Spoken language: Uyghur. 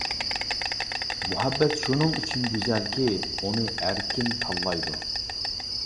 مۇھەببەت شۇنىڭ ئۈچۈن گۈزەلكى، ئۇنى ئەركىن تاللايدۇ.